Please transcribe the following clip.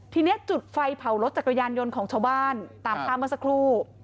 ทีนี้จุดไฟเผารถจักรยานยนต์ของชาวบ้านตามภาพเมื่อสักครู่